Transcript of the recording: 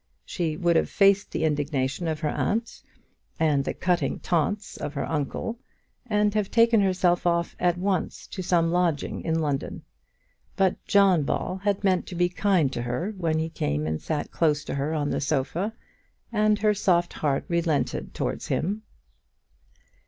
She would have faced the indignation of her aunt, and the cutting taunts of her uncle, and have taken herself off at once to some lodging in London. But John Ball had meant to be kind to her when he came and sat close to her on the sofa, and her soft heart relented towards him.